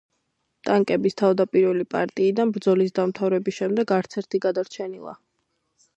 ტანკების თავდაპირველი პარტიიდან, ბრძოლის დამთავრების შემდეგ, არც ერთი გადარჩენილა.